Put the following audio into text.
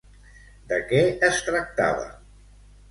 De què es tractava?